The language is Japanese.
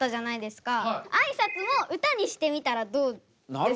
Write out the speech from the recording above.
あいさつも歌にしてみたらどうですか？